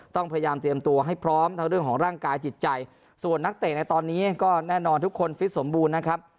ต้องพยายามเตรียมตัวให้พร้อมทั้งเรื่องของร่างกายจิตใจส่วนนักเตะในตอนนี้ก็แน่นอนทุกคนฟิตสมบูรณ์นะครับ